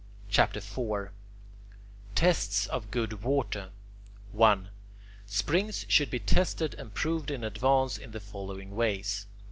CHAPTER IV TESTS OF GOOD WATER 1. Springs should be tested and proved in advance in the following ways.